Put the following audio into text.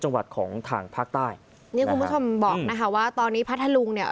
จังหวัดของทางภาคใต้นี่คุณผู้ชมบอกนะคะว่าตอนนี้พัทธลุงเนี่ย